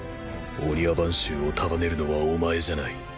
御庭番衆を束ねるのはお前じゃない。